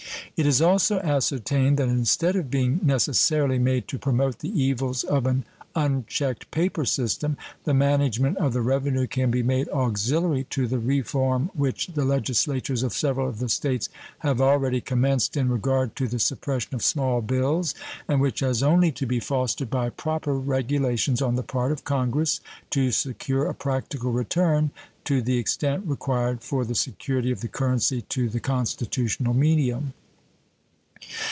It is also ascertained that instead of being necessarily made to promote the evils of an unchecked paper system, the management of the revenue can be made auxiliary to the reform which the legislatures of several of the States have already commenced in regard to the suppression of small bills, and which has only to be fostered by proper regulations on the part of Congress to secure a practical return to the extent required for the security of the currency to the constitutional medium.